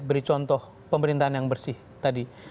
beri contoh pemerintahan yang bersih tadi